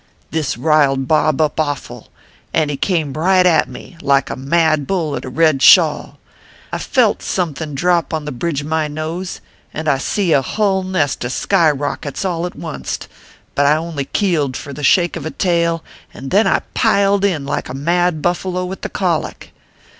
This riled Bob up awful, and he came right at me, like a mad bull at a red shawl. I felt some thin drop on the bridge of my nose, and see a hull nest of sky rockets all at onct ; but I only keeled for the shake of a tail, and then I piled in like a mad buffalo with the cholic.